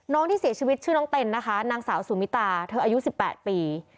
น้องที่เสียชีวิตชื่อน้องเต็ลนะคะหนังสาวซูมิตาเธออายุสิบแปดปี